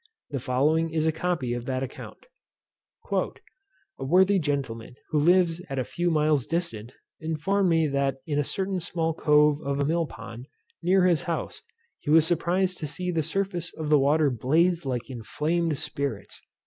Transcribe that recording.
The following is a copy of that account. "A worthy gentleman, who lives at a few miles distance, informed me that in a certain small cove of a mill pond, near his house, he was surprized to see the surface of the water blaze like inflamed spirits.